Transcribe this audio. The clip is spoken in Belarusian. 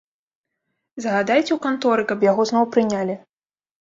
Загадайце ў канторы, каб яго зноў прынялі.